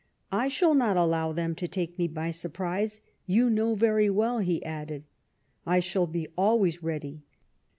" I sliall not allow them to take me by surprise, you know very well," he added, "I shall be always ready.